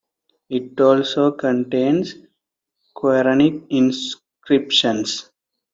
It also contains Qur'anic inscriptions.